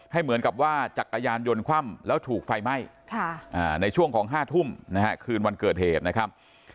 เหมือนกับว่าจักรยานยนต์คว่ำแล้วถูกไฟไหม้ในช่วงของ๕ทุ่มนะฮะคืนวันเกิดเหตุนะครับ